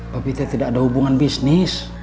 papi tuh tidak ada hubungan bisnis